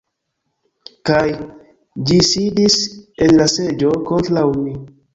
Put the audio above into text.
Kaj, ĝi sidis en la seĝo kontraŭ mi.